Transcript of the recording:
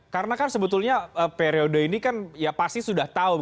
karena kan sebetulnya periode ini kan ya pasti sudah tahu